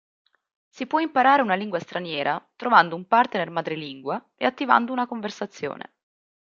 Si può imparare una lingua straniera trovando un partner madrelingua e attivando una conversazione.